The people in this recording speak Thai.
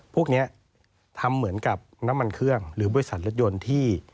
พวกนี้ทำเหมือนกับน้ำมันเครื่องหรือบริษัทรถยนต์ที่